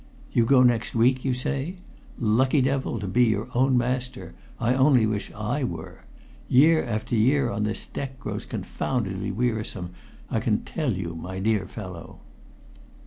You go next week, you say? Lucky devil to be your own master! I only wish I were. Year after year on this deck grows confoundedly wearisome, I can tell you, my dear fellow."